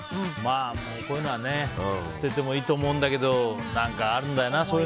こういうのは捨てていいと思うんだけど何かあるんだよな。